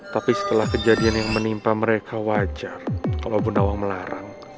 tapi setelah kejadian yang menimpa mereka wajar kalau bundawang melarang